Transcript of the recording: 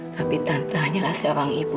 tapi tante hanyalah seorang ibu